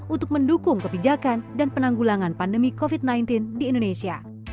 untuk mendukung kebijakan dan penanggulangan pandemi covid sembilan belas di indonesia